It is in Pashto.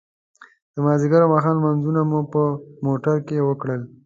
د ماذيګر او ماښام لمونځونه مو په موټر کې وکړل.